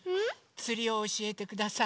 つりをおしえてください。